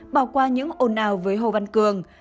bỏ qua những ồn ào với hồ văn cường